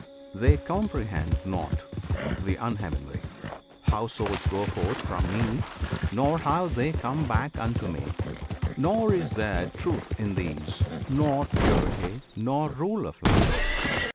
They comprehend not, the Unheavenly, How Souls go forth from Me; nor how they come Back unto Me: nor is there Truth in these, Nor purity, nor rule of Life.